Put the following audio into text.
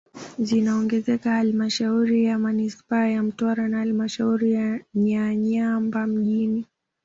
Zinaongezeka halmashauri ya manispaa ya Mtwara na halmashauri ya Nanyamba mjini